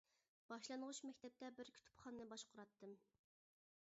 باشلانغۇچ مەكتەپتە بىر كۇتۇپخانىنى باشقۇراتتىم.